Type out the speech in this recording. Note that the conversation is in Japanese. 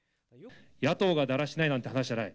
野党がだらしないなんて話じゃない。